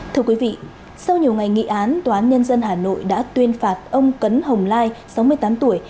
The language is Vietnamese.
thưa quý vị sau nhiều ngày nghị án tòa án nhân dân hà nội đã tuyên phạt ông cấn hồng lai sáu mươi tám tuổi